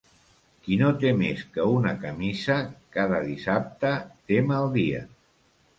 Qui no té més que una camisa, cada dissabte té mal dia.